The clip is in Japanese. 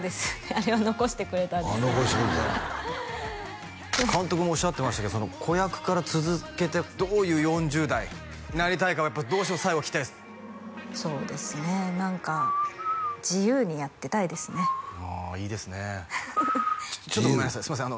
ああ残してくれたんや監督もおっしゃってましたけど子役から続けてどういう４０代になりたいかをやっぱどうしても最後聞きたいですそうですね何か自由にやってたいですねああいいですねちょっとごめんなさいすいません